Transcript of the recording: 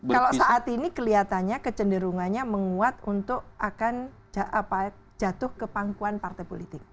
kalau saat ini kelihatannya kecenderungannya menguat untuk akan jatuh ke pangkuan partai politik